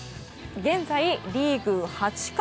現在リーグ８冠。